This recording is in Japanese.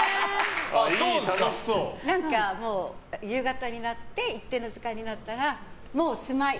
何か、夕方になって一定の時間になったらもうおしまい！